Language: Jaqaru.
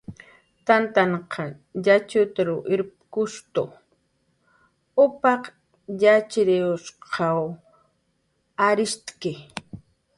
Tantanhq yatxutruw irpkutu, upaq yatxchirinhshqaw arisht'ki